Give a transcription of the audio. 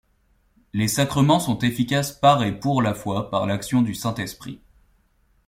Les sacrements sont efficaces par et pour la foi, par l'action du Saint-Esprit.